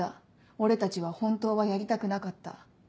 「俺たちは本当はやりたくなかった」。